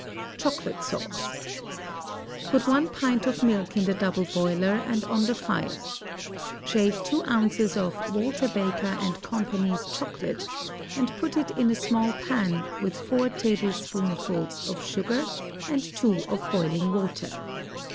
CHOCOLATE SAUCE Put one pint of milk in the double boiler, and on the fire. Shave two ounces of Walter Baker and Co.'s Chocolate, and put it in a small pan with four tablespoonfuls of sugar and two of boiling water.